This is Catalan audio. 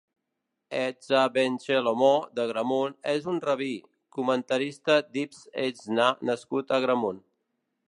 Ezra ben Xelomó d'Agramunt és un rabí, comentarista d'Ibn Ezra nascut a Agramunt.